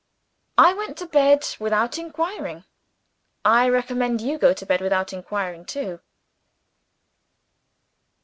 I went to bed without inquiring. I recommend you to go to bed without inquiring too.